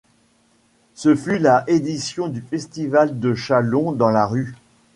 Ce fut la édition du festival de Chalon dans la rue.